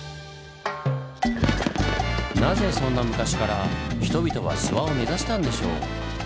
なぜそんな昔から人々は諏訪を目指したんでしょう？